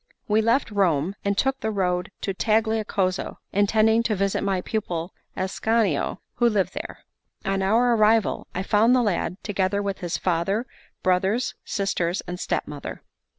We left Rome, and took the road to Tagliacozzo, intending to visit my pupil Ascanio, who lived there. On our arrival, I found the lad, together with his father, brothers, sisters, and stepmother.